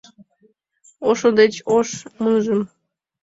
Ошо деч ош муныжым